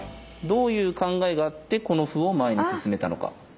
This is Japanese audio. どういう考えがあってこの歩を前に進めたのか。